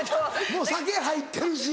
もう酒入ってるし？